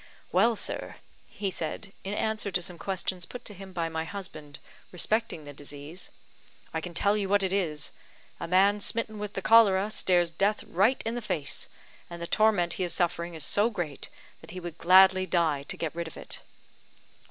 "Well, sir," he said, in answer to some questions put to him by my husband respecting the disease, "I can tell you what it is: a man smitten with the cholera stares death right in the face; and the torment he is suffering is so great that he would gladly die to get rid of it."